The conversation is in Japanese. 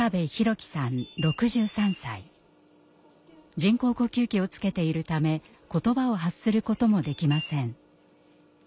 人工呼吸器をつけているため言葉を発することもできません。